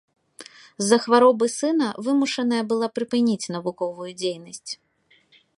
З-за хваробы сына вымушаная была прыпыніць навуковую дзейнасць.